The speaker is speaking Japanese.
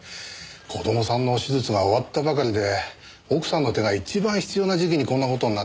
子供さんの手術が終わったばかりで奥さんの手が一番必要な時期にこんな事になって。